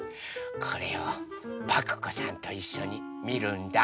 これをパクこさんといっしょにみるんだ。